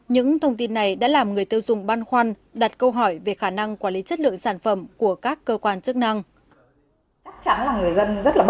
những thông tin này đã làm người tiêu dùng băn khoăn đặt câu hỏi về khả năng quản lý chất lượng sản phẩm của các cơ quan chức năng